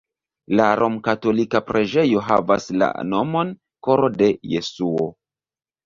La romkatolika preĝejo havas la nomon Koro de Jesuo.